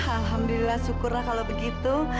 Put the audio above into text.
alhamdulillah syukurnya kalau begitu